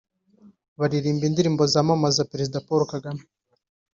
baririmba indirimbo zamamaza Perezida Paul Kagame